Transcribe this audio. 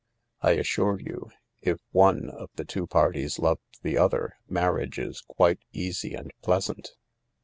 I assure you, if one of the two parties loved the other, Carriage is quite easy and pleasant.